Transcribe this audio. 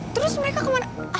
terus mereka kemana